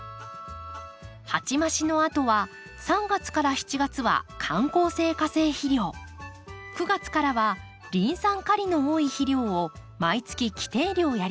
鉢増しのあとは３月から７月は緩効性化成肥料９月からはリン酸カリの多い肥料を毎月規定量やります。